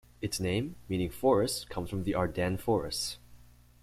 Its name, meaning 'forests', comes from the Ardennes forests.